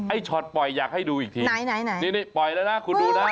ช็อตปล่อยอยากให้ดูอีกทีไหนนี่ปล่อยแล้วนะคุณดูนะ